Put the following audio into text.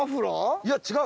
いや違う。